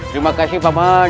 terima kasih paman